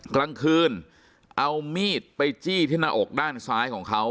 กลางคืนเอามีดไปจี้ที่หน้าอกด้านซ้ายของเขา